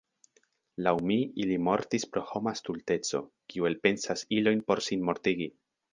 Laŭ mi ili mortis pro homa stulteco, kiu elpensas ilojn por sinmortigi.